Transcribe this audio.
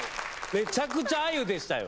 めちゃくちゃあゆでしたよ。